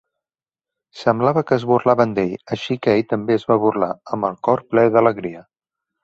Semblava que es burlaven d'ell, així que ell també se'n va burlar, amb el cor ple d'alegria.